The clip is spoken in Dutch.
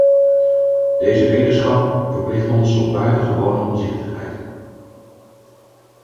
Deze wetenschap verplicht ons tot buitengewone omzichtigheid.